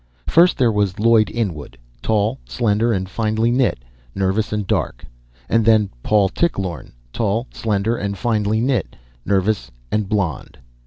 First, there was Lloyd Inwood, tall, slender, and finely knit, nervous and dark. And then Paul Tichlorne, tall, slender, and finely knit, nervous and blond.